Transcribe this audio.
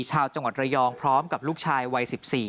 ชาวจังหวัดระยองพร้อมกับลูกชายวัย๑๔